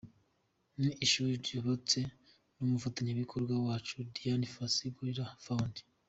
Ni ishuri ryubatswe n’umufatanyabikorwa wacu Dian fossey gorilla Fund.